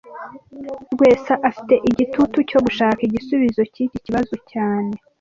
Rwesa afite igitutu cyo gushaka igisubizo cyiki kibazo cyane